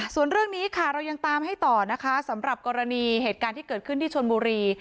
ส่วนเรื่องนี้ค่ะเรายังตามให้ต่อนะคะสำหรับกรณีเหตุการณ์ที่เกิดขึ้นที่ชนบุรี